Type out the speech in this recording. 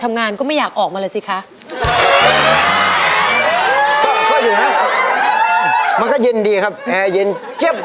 มันก็เย็นตีครับแอะเย็นเจ๊บ